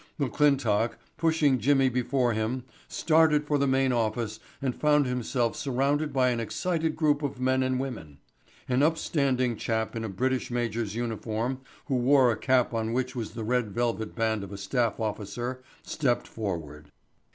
McClintock, pushing Jimmy before him, started for the main office and found himself surrounded by an excited group of men and women. An upstanding chap in a British major's uniform who wore a cap on which was the red velvet band of a staff officer, stepped forward.